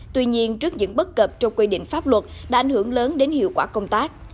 tuy nhiên trước những bất cập trong quy định pháp luật đã ảnh hưởng lớn đến hiệu quả công tác